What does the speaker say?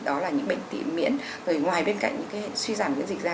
đó là những bệnh tỉ miễn rồi ngoài bên cạnh những cái hệ suy giảm miễn dịch ra